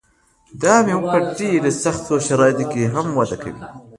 دا مېوه په ډېرو سختو شرایطو کې هم وده کوي.